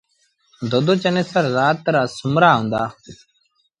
دودو چنيسر زآت رآ سومرآ هُݩدآ۔